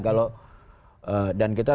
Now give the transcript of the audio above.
kalau dan kita